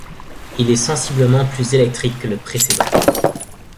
Il est sensiblement plus électrique que le précédent.